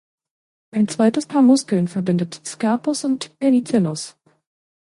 Ein zweites Paar Muskeln verbindet Scapus und Pedicellus.